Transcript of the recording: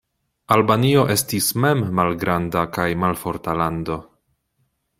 Albanio estis mem malgranda kaj malforta lando.